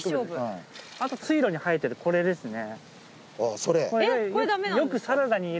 あと、水路に生えてるこれですね。